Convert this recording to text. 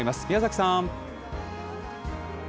宮崎さん。